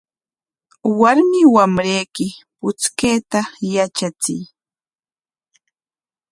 Warmi wamrayki puchkayta yatrachiy.